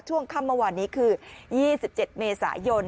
ช่วงค่ำเมื่อวานนี้คือ๒๗เมษายน